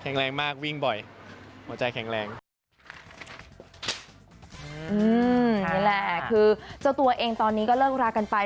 นี่แหละคือเจ้าตัวเองตอนนี้ก็เลิกรากันไป